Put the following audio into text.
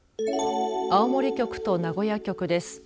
青森局と名古屋局です。